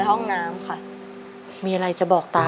อองเค้า